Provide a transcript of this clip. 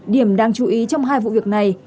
điểm đáng chú ý trong hai vụ việc này